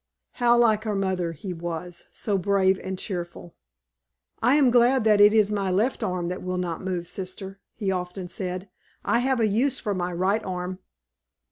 How like our mother he was, so brave and cheerful! "'I am glad that it is my left arm that will not move, Sister,' he often said. 'I have a use for my right arm.'